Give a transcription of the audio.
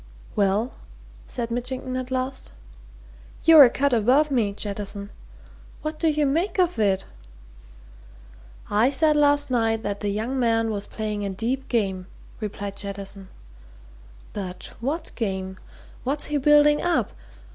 "Well?" said Mitchington at last. "You're a cut above me, Jettison. What do you make of it?" "I said last night that the young man was playing a deep game," replied Jettison. "But what game? What's he building up?